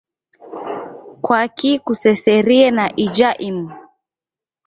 Kwaki kuseserie na ija imu?